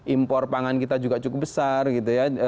impor pangan kita juga cukup besar gitu ya